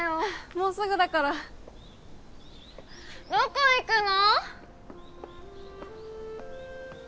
もうすぐだからどこ行くの？